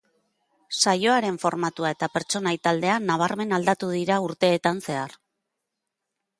Saioaren formatua eta pertsonai taldea nabarmen aldatu dira urteetan zehar.